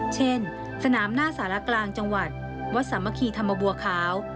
เช่นสนามหน้าสารกลางจังหวัดวัดสามัคคีธรรมบัวขาว